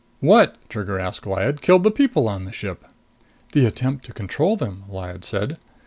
"What," Trigger asked Lyad, "killed the people on the ship?" "The attempt to control them," Lyad said.